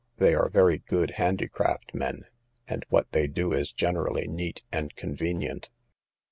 They are very good handicraft men, and what they do is generally neat and convenient.